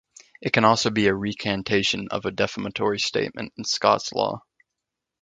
It can also be a recantation of a defamatory statement in Scots Law.